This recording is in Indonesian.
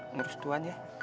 ngurus tuan ya